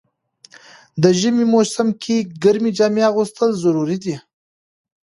د ژمی موسم کی ګرمی جامی اغوستل ضروري ده.